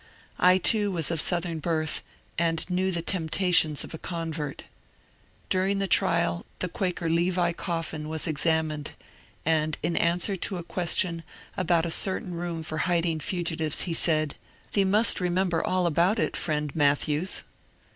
I too was of Southern birth and knew the temptations of a convert. Dur ing the trial the Quaker Levi Coffin was examined, and in answer to a question about a certain room for hiding fugitives he said, ^^ Thee must remember all about it, friend Matthews."